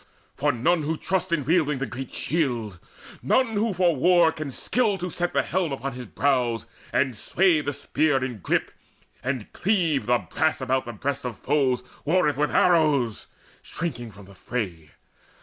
For none who trusts in wielding the great shield, None who for war can skill to set the helm Upon his brows, and sway the spear in grip, And cleave the brass about the breasts of foes, Warreth with arrows, shrinking from the fray.